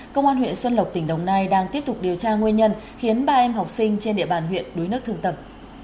công an huyện xuân lộc tỉnh đồng nai đang tiếp tục điều tra nguyên nhân khiến ba em học sinh trên địa bàn huyện đuối nước thương tâm